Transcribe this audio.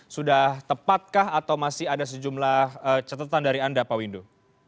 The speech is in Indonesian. sudah tepatkah atau masih ada sejumlah catatan dari anda pak windu